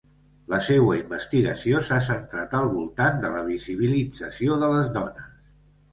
La seua investigació s'ha centrat al voltant de la visibilització de les dones.